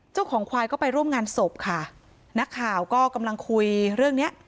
เจ้าของควายก็ไปร่วมงานศพค่ะนักข่าวก็กำลังคุยเรื่องเนี้ย